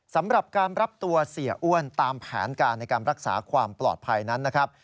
สำหรับการรับตัวเสียอ้วนตามแผนการในการรักษาความปลอดภัยนั้นนะครับ